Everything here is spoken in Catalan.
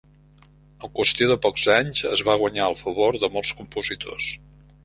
En qüestió de pocs anys es va guanyar el favor de molts compositors.